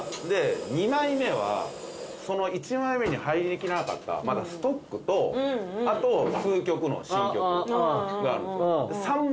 で２枚目はその１枚目に入りきらなかったストックとあと数曲の新曲があるんです。